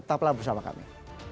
tetaplah bersama kami